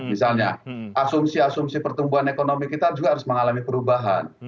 misalnya asumsi asumsi pertumbuhan ekonomi kita juga harus mengalami perubahan